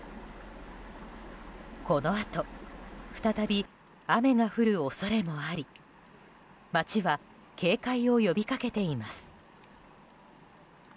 このあと再び雨が降る恐れもあり町は警戒を呼び掛けています。